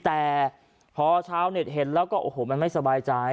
แต่พอชาวเน็ตเห็นแล้วก็โอ้โหมันไม่สบายใจ